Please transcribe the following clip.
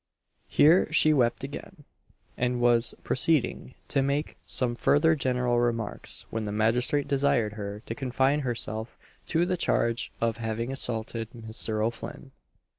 Here she wept again, and was proceeding to make some further general remarks, when the magistrate desired her to confine herself to the charge of having assaulted Mr. O'Flinn.